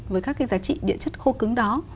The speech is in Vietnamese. với các cái giá trị địa chất khô cứng đó